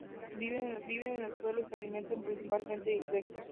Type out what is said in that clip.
Viven en el suelo y se alimentan principalmente de insectos.